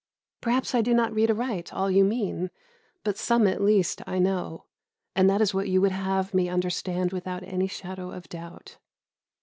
Perhaps I do not read aright all you mean; but some at least I know, and that is what you would have me understand without any shadow of doubt.